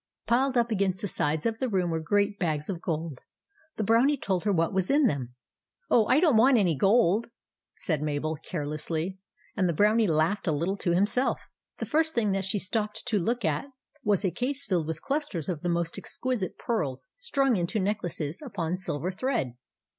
Piled up against the sides of the room were great bags of gold. The Brownie told her what was in them. " Oh, I don't want any gold," said Mabel, carelessly ; and the Brownie laughed a little to himself. 192 THE ADVENTURES OF MABEL The first thing that she stopped to look at was a case filled with clusters of the most exquisite pearls strung into necklaces upon silver thread.